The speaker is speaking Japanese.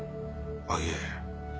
あっいえ。